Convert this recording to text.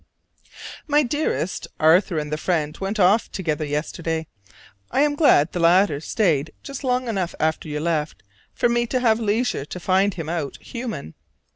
My Dearest: Arthur and the friend went off together yesterday. I am glad the latter stayed just long enough after you left for me to have leisure to find him out human.